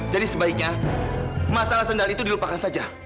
jadi sebaiknya masalah sendal itu dilupakan saja